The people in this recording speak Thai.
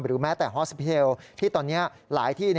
แม้แต่ฮอสพิเทลที่ตอนนี้หลายที่